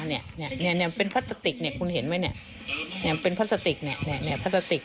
นี่เป็นพลัสสติกคุณเห็นไหมเป็นพลัสสติกพลัสสติก